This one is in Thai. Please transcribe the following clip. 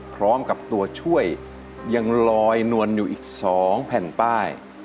พร้อมกับตัวช่วยยังลอยนวลอยู่อีก๒แผ่นป้าย